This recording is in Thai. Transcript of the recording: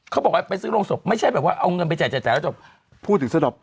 เขาบอกว่าไปซื้อโรงศพไม่ใช่เอาเงินไปจ่ายแล้วจบ